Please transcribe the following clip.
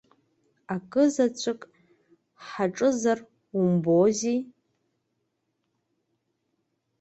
Акзаҵәык ҳаҿызар умбози!